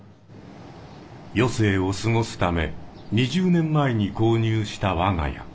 余生を過ごすため２０年前に購入した我が家。